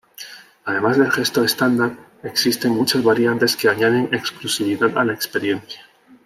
Además del gesto estándar, existen muchas variantes que añaden exclusividad a la experiencia.